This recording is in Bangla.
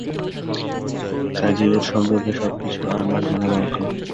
কাজেই ওর সম্পর্কে সব কিছু আমার জানা দরকার।